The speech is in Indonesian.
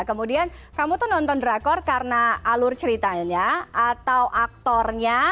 kemudian kamu tuh nonton drakor karena alur ceritanya atau aktornya